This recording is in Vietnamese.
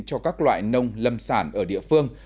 cho các loại nông lâm sản ở địa phương